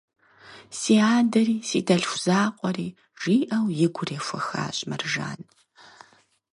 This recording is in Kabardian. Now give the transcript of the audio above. Си адэри, си дэлъху закъуэри, – жиӏэу, и гур ехуэхащ Мэржан.